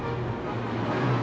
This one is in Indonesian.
mana sih kena